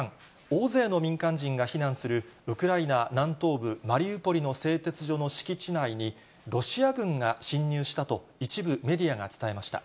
大勢の民間人が避難するウクライナ南東部マリウポリの製鉄所の敷地内に、ロシア軍が侵入したと一部メディアが伝えました。